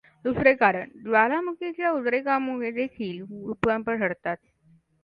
दुसरे कारण ज्वालामुखीच्या उद्रेकामुळेदेखील भूकंप घडतात.